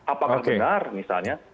apakah benar misalnya